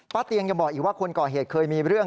เตียงยังบอกอีกว่าคนก่อเหตุเคยมีเรื่อง